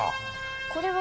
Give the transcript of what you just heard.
これは。